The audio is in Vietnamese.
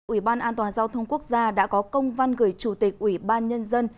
ủy ban an toàn giao thông quốc gia đã có công văn gửi chủ tịch ủy ban nhân dân